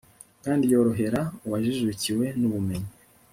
kandi yorohera uwajijukiwe n'ubumenyi